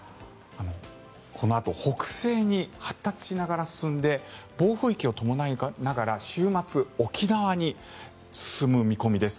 このあと北西に発達しながら進んで暴風域を伴いながら週末、沖縄に進む見込みです。